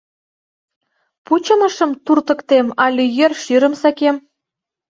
Пучымышым туртыктем але йӧр шӱрым сакем?